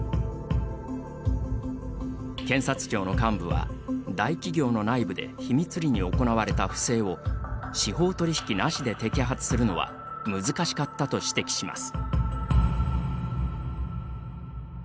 検察庁の幹部は、大企業の内部で秘密裏に行われた不正を司法取引なしで摘発するのは難しかったと指摘します。